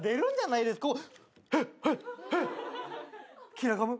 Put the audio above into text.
キラガム。